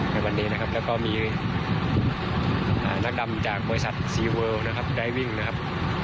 แล้วก็มีนักดำจากบริษัทซีวอลนะครับ